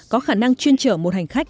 có khả năng chuyên trở một hành khách